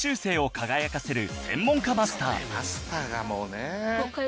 マスターがもうね。